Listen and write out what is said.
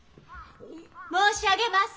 申し上げます。